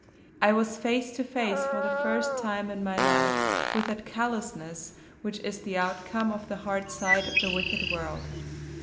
I was face to face, for the first time in my life, with that callousness which is the outcome of the hard side of the wicked world.